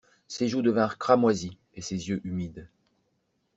Ses joues devinrent cramoisies, et ses yeux humides.